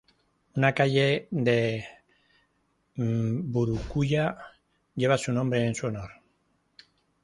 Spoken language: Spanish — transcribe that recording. Una calle de Mburucuyá lleva su nombre en su honor.